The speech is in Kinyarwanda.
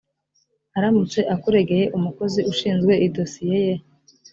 aramutse akuregeye umukozi ushinzwe idosiye ye